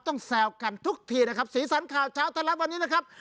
แซวกันทุกทีนะครับสีสันข่าวเช้าไทยรัฐวันนี้นะครับ